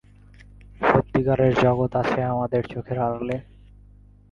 সত্যিকার জগৎ আছে আমাদের চোখের আড়ালে!